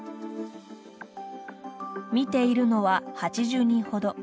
見ているのは、８０人程。